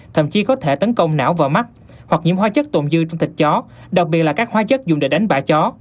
thậm chí có thể tấn công não và mắt hoặc nhiễm hóa chất tồn dư trong thịt chó đặc biệt là các hóa chất dùng để đánh bã chó